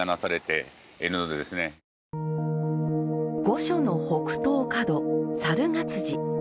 御所の北東角、猿ヶ辻。